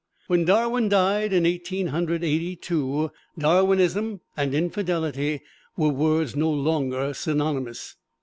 When Darwin died, in Eighteen Hundred Eighty two, Darwinism and infidelity were words no longer synonymous.